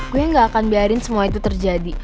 gue gak akan biarin semua itu terjadi